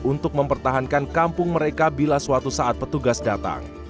untuk mempertahankan kampung mereka bila suatu saat petugas datang